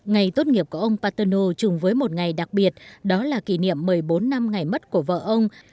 ngày tốt nghiệp của ông paterno chùng với một ngày đặc biệt đó là kỷ niệm một mươi bốn năm ngày mất của vợ ông